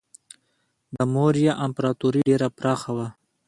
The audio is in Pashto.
د موریا امپراتوري ډیره پراخه وه.